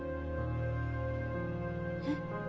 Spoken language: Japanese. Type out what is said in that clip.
えっ？